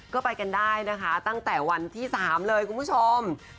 ก็ไปกันได้นะคะตั้งแต่วันที่๓เลยคุณผู้ชม